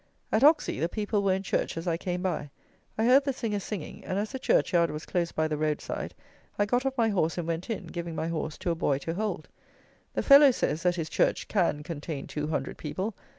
At Ocksey the people were in church as I came by. I heard the singers singing; and, as the church yard was close by the road side, I got off my horse and went in, giving my horse to a boy to hold. The fellow says that his church "can contain two hundred people."